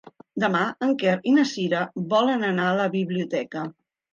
Demà en Quer i na Cira volen anar a la biblioteca.